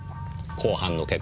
公判の結果